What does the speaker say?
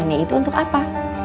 kepentingan itu untuk apa